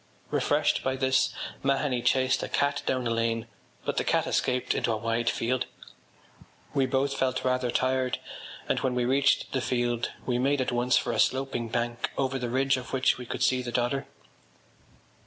Refreshed by this, Mahony chased a cat down a lane, but the cat escaped into a wide field. We both felt rather tired and when we reached the field we made at once for a sloping bank over the ridge of which we could see the Dodder.